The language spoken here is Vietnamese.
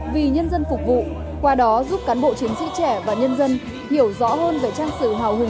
vì nhân dân phục vụ qua đó giúp cán bộ chiến sĩ trẻ và nhân dân hiểu rõ hơn về trang sử hào hùng